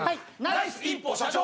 ナイス一歩社長！